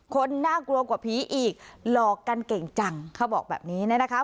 คนน่ากลัวกว่าผีอีกหลอกกันเก่งจังเขาบอกแบบนี้นะคะ